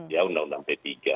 ya undang undang p tiga